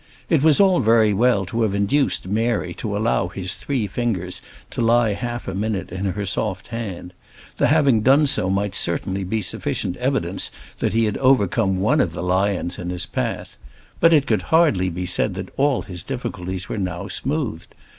It was all very well to have induced Mary to allow his three fingers to lie half a minute in her soft hand; the having done so might certainly be sufficient evidence that he had overcome one of the lions in his path; but it could hardly be said that all his difficulties were now smoothed.